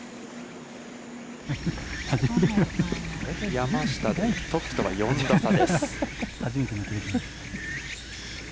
山下、トップとは４打差です。